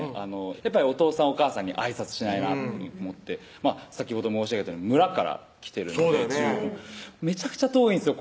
やっぱりおとうさんおかあさんにあいさつしないとなと思って先ほど申し上げたように村からきてるので中国のめちゃくちゃ遠いんですよ